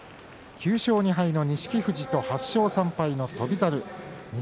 ９勝２敗の錦富士と８勝３敗の翔猿錦